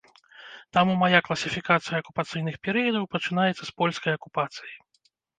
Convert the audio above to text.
Таму мая класіфікацыя акупацыйных перыядаў пачынаецца з польскай акупацыі.